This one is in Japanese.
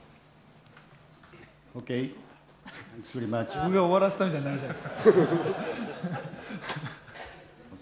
自分が終わらせたみたいになるじゃないですか。